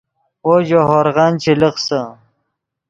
وو ژے ہورغن چے لخسے